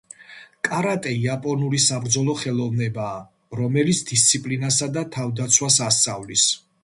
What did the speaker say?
კარატე იაპონური საბრძოლო ხელოვნებაა, რომელიც დისციპლინასა და თავდაცვას ასწავლის.